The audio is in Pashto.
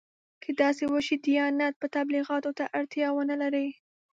که داسې وشي دیانت به تبلیغاتو ته اړتیا ونه لري.